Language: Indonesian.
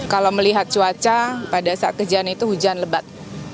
kalau melihat cuaca pada saat kejadian itu hujan lebat